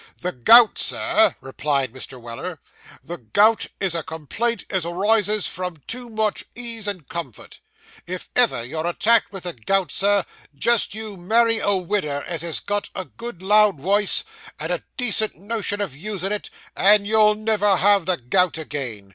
'The gout, Sir,' replied Mr. Weller, 'the gout is a complaint as arises from too much ease and comfort. If ever you're attacked with the gout, sir, jist you marry a widder as has got a good loud woice, with a decent notion of usin' it, and you'll never have the gout agin.